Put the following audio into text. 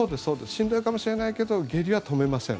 しんどいかもしれないけど下痢は止めません。